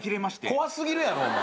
怖過ぎるやろお前。